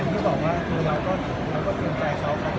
มีโครงการทุกทีใช่ไหม